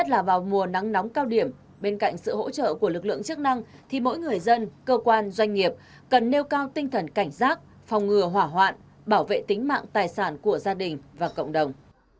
là vào mùa nắng nóng cao điểm bên cạnh sự hỗ trợ của lực lượng chức năng thì mỗi người dân cơ quan doanh nghiệp cần nêu cao tinh thần cảnh giác phòng ngừa hỏa hoạn bảo vệ tính mạng tài sản của gia đình và cộng đồng